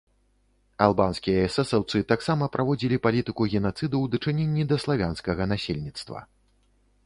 Албанскія эсэсаўцы таксама праводзілі палітыку генацыду ў дачыненні да славянскага насельніцтва.